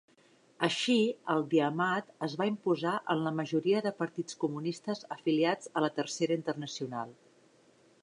Així, el "diamat" es va imposar en la majoria de partits comunistes afiliats a la Tercera Internacional.